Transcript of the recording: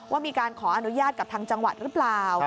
ว่ามีการขออนุญาตกับทางจังหวัดหรือเปล่า